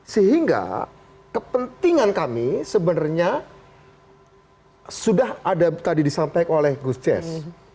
sehingga kepentingan kami sebenarnya sudah ada tadi disampaikan oleh gus ces